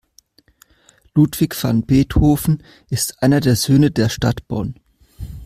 Ludwig van Beethoven ist einer der Söhne der Stadt Bonn.